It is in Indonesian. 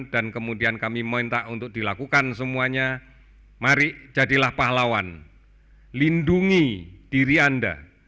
dan kemudian kami mointak untuk dilakukan semuanya mari jadilah pahlawan lindungi diri anda